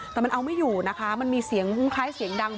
แต่มันเอาไม่อยู่นะคะมันมีเสียงคล้ายเสียงดัง